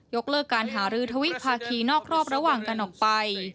เลิกการหารือทวิภาคีนอกรอบระหว่างกันออกไป